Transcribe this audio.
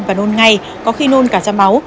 và nôn ngay có khi nôn cả ra máu